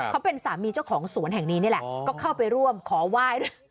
เขาเป็นสามีเจ้าของสวนแห่งนี้นี่แหละก็เข้าไปร่วมขอไหว้ด้วย